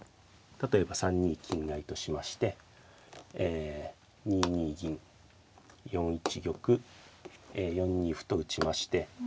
例えば３二金合いとしまして２二銀４一玉４二歩と打ちましてえ